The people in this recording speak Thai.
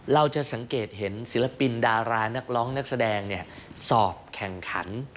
เราจะสังเกตเห็นศิลปินดารานักร้องนักแสดงสอบแข่งขัน